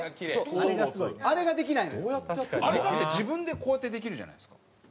あれだって自分でこうやってできるじゃないですか。